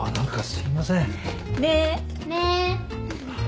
すいません。